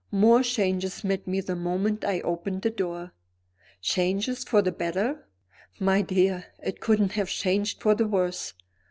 More changes met me the moment I opened the door." "Changes for the better?" "My dear, it couldn't have changed for the worse!